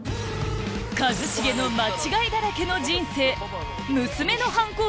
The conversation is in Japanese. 一茂の間違いだらけの人生